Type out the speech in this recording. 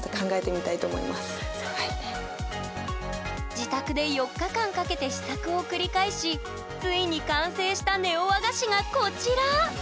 自宅で４日間かけて試作を繰り返しついに完成したネオ和菓子がこちら！